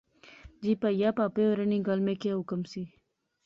جی پہاپا۔ پہاپے ہوریں نی گل میں کیا حکم سی